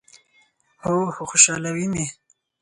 هو، خو خوشحالوي می